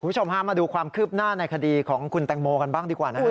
คุณผู้ชมฮะมาดูความคืบหน้าในคดีของคุณแตงโมกันบ้างดีกว่านะครับ